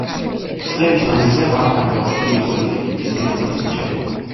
წლების მანძილზე ვახტანგ ჯაოშვილი იყო ინსტიტუტის დირექტორის მრჩეველი.